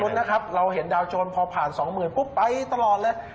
อย่างนู้นนะครับเราเห็นดาวโจรพอผ่าน๒๐๐๐ไปตลอดเลย